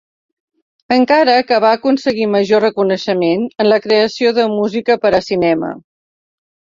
Encara que va aconseguir major reconeixement en la creació de música per a cinema.